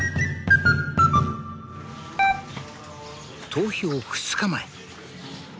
投票２日前。